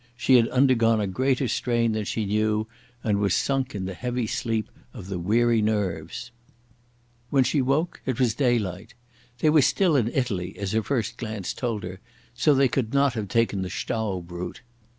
She had undergone a greater strain than she knew, and was sunk in the heavy sleep of weary nerves. When she woke it was daylight. They were still in Italy, as her first glance told her, so they could not have taken the Staub route.